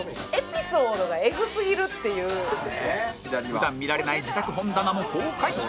普段見られない自宅本棚も公開！